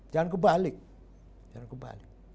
jangan kebalik jangan kebalik